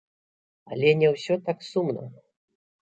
Але не ўсё так сумна!